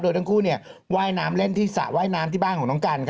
โดยทั้งคู่ว่ายน้ำเล่นที่สระว่ายน้ำที่บ้านของน้องกัน